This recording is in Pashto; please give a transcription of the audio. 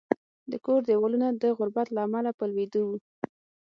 د کور دېوالونه د غربت له امله په لوېدو وو